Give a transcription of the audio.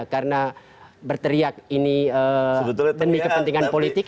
karena berteriak ini demi kepentingan politik